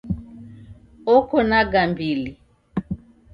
Oko na gambili